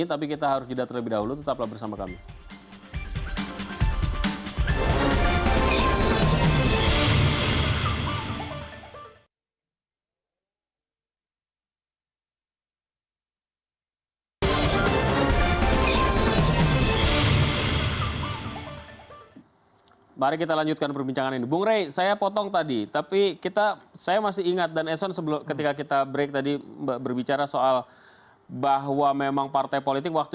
atau melibatkan partai politik lain